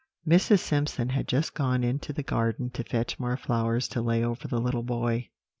Mrs. Simpson had just gone into the garden to fetch more flowers to lay over the little boy.